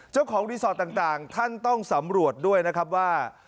เจ้าของรีสอร์ทต่างท่านต้องสำรวจด้วยนะครับว่า